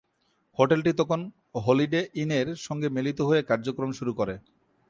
হোটেলটি তখন Holiday Inn এর সঙ্গে মিলিত হয়ে কার্যক্রম শুরু করে।